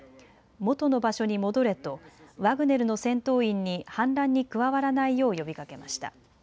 もとの場所に戻れとワグネルの戦闘員に反乱に加わらないよう呼びかけました。